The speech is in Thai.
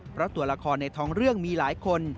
เพราะตัวละครในท้องเรื่องมีหลายคน